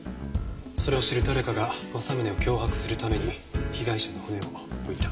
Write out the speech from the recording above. それを知る誰かが政宗を脅迫するために被害者の骨を置いた。